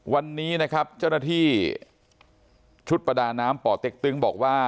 วันนี้นะครับเจ้าหน้าที่ชุดประดาน้ำป่อเต็กตึงบอกว่า